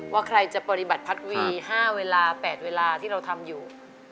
ว่าใครจะปฏิบัติพัดวี๕เวลา๘เวลาที่เราทำอยู่